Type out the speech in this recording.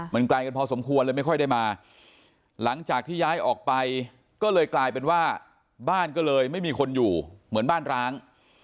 มันไกลกันพอสมควรเลยไม่ค่อยได้มาหลังจากที่ย้ายออกไปก็เลยกลายเป็นว่าบ้านก็เลยไม่มีคนอยู่เหมือนบ้านร้าง